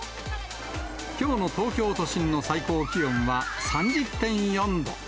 きょうの東京都心の最高気温は３０．４度。